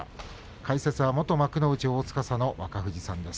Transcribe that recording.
解説は元幕内皇司の若藤さんです。